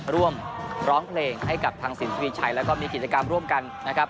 ร่วมร้องเพลงให้กับทางสินทวีชัยแล้วก็มีกิจกรรมร่วมกันนะครับ